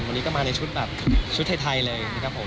วันนี้ก็มาในชุดแบบชุดไทยเลยนะครับผม